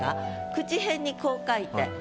くちへんにこう書いて。